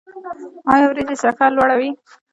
ایا وریجې شکر لوړوي؟